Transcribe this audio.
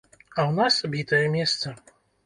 А ў нас бітае месца.